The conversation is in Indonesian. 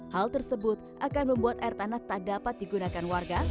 hal tersebut akan membuat air tanah tak dapat digunakan warga